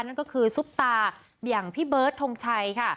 นั่นก็คือซุปตาอย่างพี่เบิร์ดทงชัยค่ะ